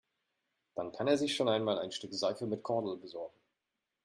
Dann kann er sich schon einmal ein Stück Seife mit Kordel besorgen.